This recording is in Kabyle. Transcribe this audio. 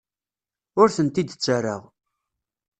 Ur tent-id-ttarraɣ.